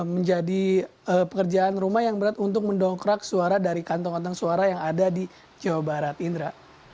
menjadi pekerjaan rumah yang berat untuk mendongkrak suara dari kantong kantong suara yang ada di jawa barat indra